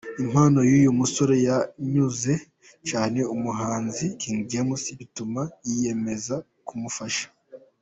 Impano y'uyu musore yanyuze cyane umuhanzi King James bituma yiyemeza kumufasha.